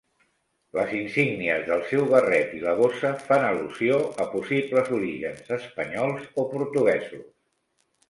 Les insígnies del seu barret i la bossa fan al·lusió a possibles orígens espanyols o portuguesos.